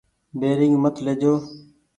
بيرينگ مت ليجو ۔